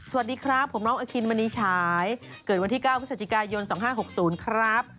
สวัสดีครับผมน้องอคินมณีฉายเกิดวันที่๙พฤศจิกายน๒๕๖๐ครับ